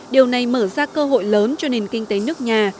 điều này mở ra cơ hội lớn cho nền kinh tế nước nhà